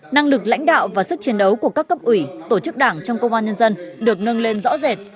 năng lực lãnh đạo và sức chiến đấu của các cấp ủy tổ chức đảng trong công an nhân dân được nâng lên rõ rệt